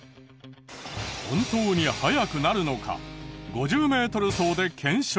本当に速くなるのか５０メートル走で検証。